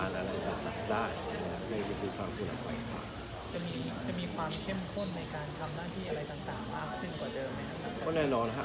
สวัสดีครับ